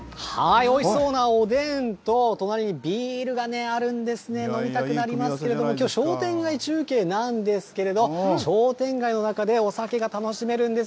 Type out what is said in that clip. おいしそうなおでんと、隣にビールがね、あるんですね、飲みたくなりますけれども、きょう、商店街中継なんですけれど、商店街の中でお酒が楽しめるんです。